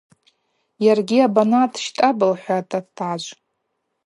Йаргьи абанаъа дщтӏапӏ, – лхӏватӏ атажв.